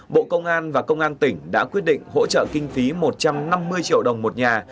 bộ công an và công an tỉnh đã quyết định hỗ trợ kinh phí một trăm năm mươi triệu đồng một nhà